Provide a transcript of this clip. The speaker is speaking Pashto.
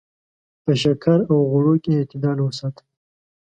په شکر او غوړو کې اعتدال وساته.